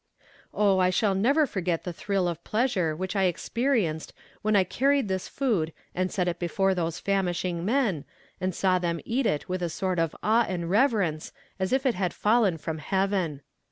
Oh, I shall never forget the thrill of pleasure which I experienced when I carried this food and set it before those famishing men, and saw them eat it with a sort of awe and reverence as if it had fallen from heaven.